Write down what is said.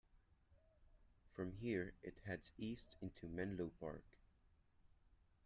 From here, it heads east into Menlo Park.